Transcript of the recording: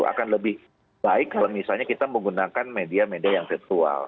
akan lebih baik kalau misalnya kita menggunakan media media yang virtual